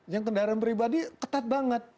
yang kendaraan pribadi ketat banget